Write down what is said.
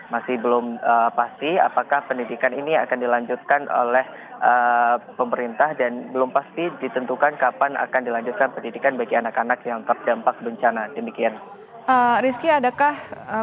masih belum pasti apakah pendidikan ini akan dilanjutkan oleh pemerintah dan belum pasti ditentukan kapan akan dilanjutkan pendidikan bagi anak anak yang terdampak bencana demikian